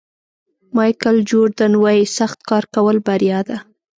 مایکل جوردن وایي سخت کار کول بریا ده.